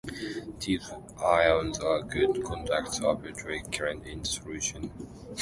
These ions are good conductors of electric current in the solution.